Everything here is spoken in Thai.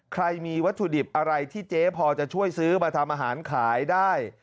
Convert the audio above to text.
ใครมีวัตถุดิบอะไรที่เจ๊พอจะช่วยซื้อมาทำอาหารขายได้